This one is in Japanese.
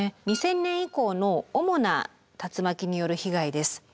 ２０００年以降の主な竜巻による被害です。